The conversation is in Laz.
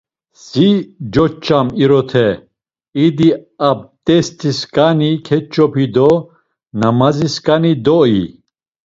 Si coç̌am irote, idi abt̆esisǩani keç̌opi do namazisǩani doi.